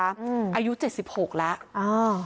อายุ๗๖แล้ว